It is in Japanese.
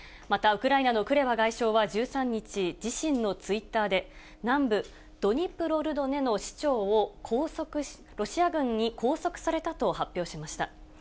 またウクライナのクレバ外相は１３日、自身のツイッターで、南部ドニプロルドネの市長がロシア軍に拘束されたと発表しました。